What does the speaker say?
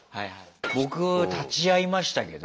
僕立ち会いましたけど。